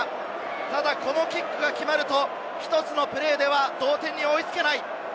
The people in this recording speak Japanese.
ただこのキックが決まると、１つのプレーでは同点に追いつけない。